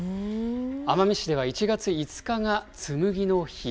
奄美市では１月５日が紬の日。